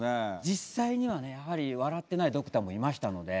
実際にはねやはり笑ってないドクターもいましたので。